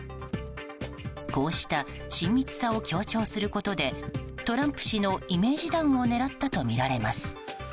こうした親密さを強調することでトランプ氏のイメージダウンを狙ったとみられます。